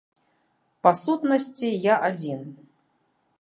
Па сутнасці я адзін.